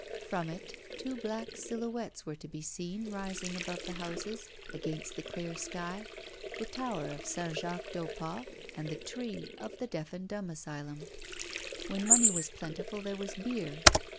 From it two black silhouettes were to be seen rising above the houses, against the clear sky the tower of St. Jacques du Haut Pas and the tree of the Deaf and Dumb Asylum. When money was plentiful there was beer.